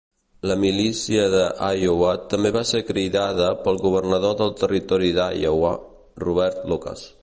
La milícia de Iowa també va ser cridada pel governador del territori d'Iowa, Robert Lucas.